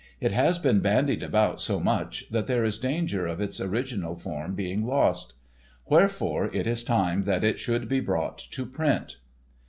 It has been bandied about so much that there is danger of its original form being lost. Wherefore it is time that it should be brought to print.